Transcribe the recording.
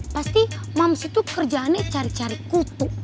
pasti moms itu kerjaannya cari cari kutu